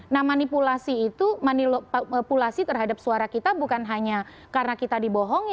nah manipulasi itu manipulasi terhadap suara kita bukan hanya karena kita dibohongi